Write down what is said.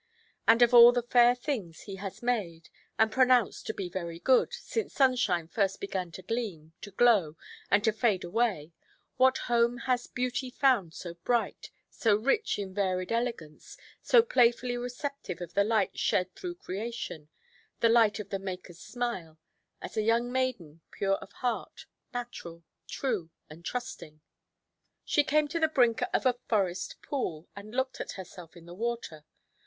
And of all the fair things He has made, and pronounced to be very good, since sunshine first began to gleam, to glow, and to fade away, what home has beauty found so bright, so rich in varied elegance, so playfully receptive of the light shed through creation—the light of the Makerʼs smile—as a young maiden, pure of heart, natural, true, and trusting? She came to the brink of a forest pool, and looked at herself in the water.